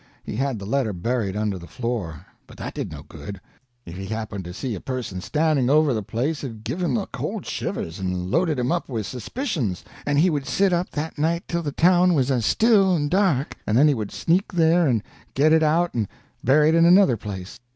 He had the letter buried under the floor, but that did no good; if he happened to see a person standing over the place it'd give him the cold shivers, and loaded him up with suspicions, and he would sit up that night till the town was still and dark, and then he would sneak there and get it out and bury it in another place.